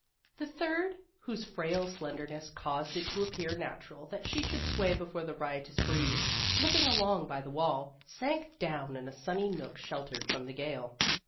The third, whose frail slen derness caused it to appear natural that she should sway before the riotous breeze, slipping along by the wall, sank down in a sunny nook sheltered from the gale.